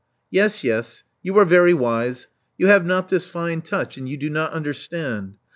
Yes, yes, you are very wise. You have not this fine touch; and you do not understand.